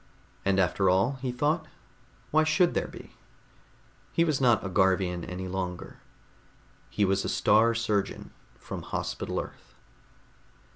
And after all, he thought, why should there be? He was not a Garvian any longer. He was a Star Surgeon from Hospital Earth.